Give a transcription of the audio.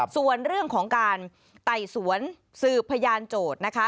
ส่วนเรื่องของการไต่สวนสืบพยานโจทย์นะคะ